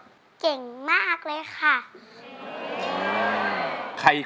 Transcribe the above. เก่งมากเลยค่ะ